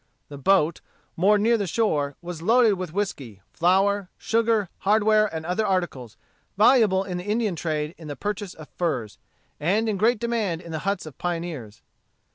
The boat, moored near the shore, was loaded with whiskey, flour, sugar, hardware, and other articles, valuable in the Indian trade in the purchase of furs, and in great demand in the huts of pioneers.